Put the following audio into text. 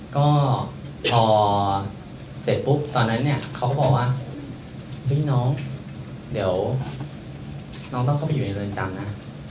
ก็พอเสร็จปุ๊บตอนนั้นเนี่ยเขาก็บอกว่าเฮ้ยน้องเดี๋ยวน้องต้องเข้าไปอยู่ในเรือนจำนะ